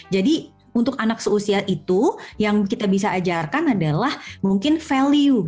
jadi untuk anak seusia itu yang kita bisa ajarkan adalah mungkin value